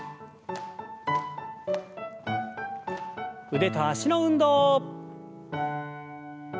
腕と脚の運動。